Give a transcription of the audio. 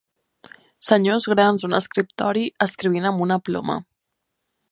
Senyors grans a un escriptori escrivint amb una ploma.